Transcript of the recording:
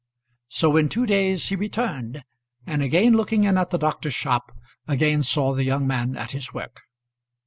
So in two days he returned, and again looking in at the doctor's shop, again saw the young man at his work.